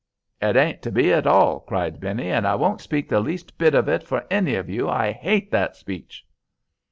'" "It ain't to be at all," cried Benny, "and I won't speak the least bit of it for any of you. I hate that speech!"